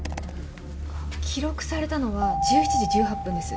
記録されたのは１７時１８分です。